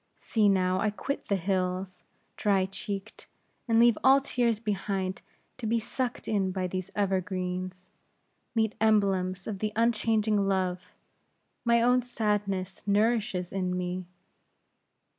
See, now, I quit the hills, dry cheeked; and leave all tears behind to be sucked in by these evergreens, meet emblems of the unchanging love, my own sadness nourishes in me.